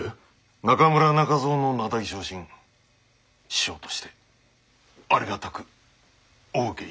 中村中蔵の名題昇進師匠としてありがたくお受けいたします。